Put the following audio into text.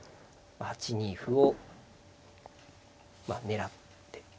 ８ニ歩を狙って。